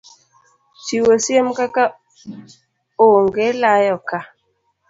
chiwo siem kaka Onge Layo Ka!